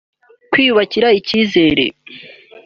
kwiyubakira ikizere